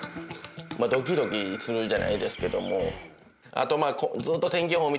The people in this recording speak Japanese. ドキドキするじゃないですけども。